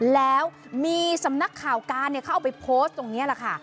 แล้วมีสำนักข่าวการเขาเอาไปโพสต์ตรงนี้แหละค่ะ